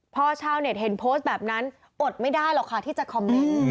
พอชาวเน็ตเห็นโพสต์แบบนั้นอดไม่ได้หรอกค่ะที่จะคอมเมนต์